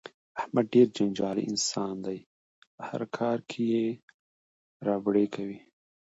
احمد ډېر جنجالي انسان دی په هر کار کې ربړې کوي.